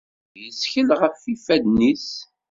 Amɣid yettkel ɣef yifadden-nnes.